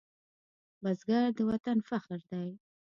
بزګر د وطن فخر دی